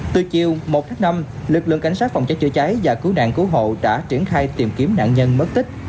từ chiều một tháng năm lực lượng cảnh sát phòng cháy chữa cháy và cứu nạn cứu hộ đã triển khai tìm kiếm nạn nhân mất tích